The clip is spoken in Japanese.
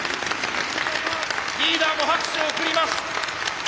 リーダーも拍手を送ります。